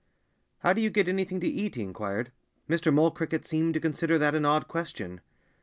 "How do you get anything to eat?" he inquired. Mr. Mole Cricket seemed to consider that an odd question.